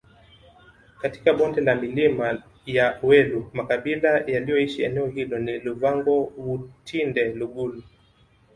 katika bonde la milima ya welu makabila yaliyoishi eneo hilo ni Luvango wutinde lugulu